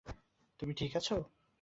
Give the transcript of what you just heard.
তুমি ঠিক আছে?